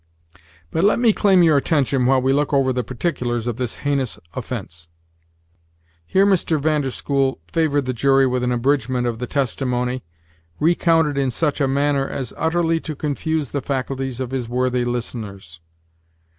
But let me claim your attention, while we look over the particulars of this heinous offence." Here Mr. Vain der School favored the jury with an abridgment of the testimony, recounted in such a manner as utterly to confuse the faculties of his worthy listeners.